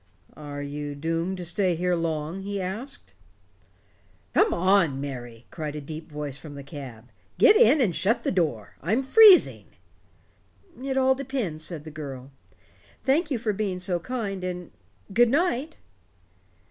"Are you doomed to stay here long?" he asked. "Come on, Mary," cried a deep voice from the cab. "Get in and shut the door. I'm freezing." "It all depends," said the girl. "Thank you for being so kind and good night."